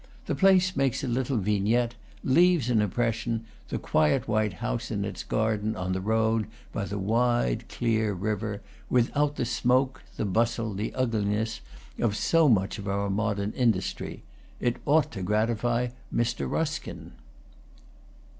The place makes a little vignette, leaves an impression, the quiet white house in its garden on the road by the wide, clear river, without the smoke, the bustle, the ugliness, of so much of our modern industry. It ought to gratify Mr. Ruskin.